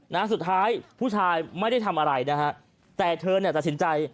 นะสุดท้ายผู้ชายไม่ได้ทำอะไรนะฮะแต่เธอเนี่ยตัดสินใจ